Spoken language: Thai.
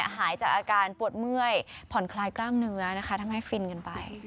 หายจากอาการปวดเมื่อยผ่อนคลายกล้ามเนื้อนะคะทำให้ฟินกันไป